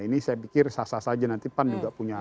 ini saya pikir sasa saja nanti pan juga punya